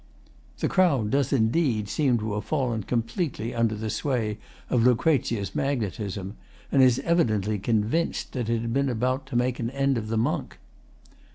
[The crowd does indeed seem to have fallen completely under the sway of LUC.'s magnetism, and is evidently convinced that it had been about to make an end of the monk.